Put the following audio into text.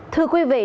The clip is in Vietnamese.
thưa quý vị